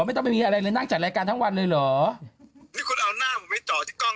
ไม่ต้องไปมีอะไรเลยนั่งจัดรายการทั้งวันเลยเหรอนี่คุณเอาหน้าผมไปเจาะที่กล้อง